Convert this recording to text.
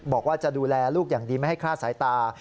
บอกว่าจะดูแลลูกอย่างดีไม่ให้คลาดสายตา